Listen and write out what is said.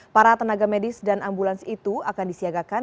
para tenaga medis dan ambulans itu akan disiagakan